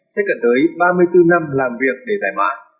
sẽ cần tới ba mươi bốn năm làm việc để giải mã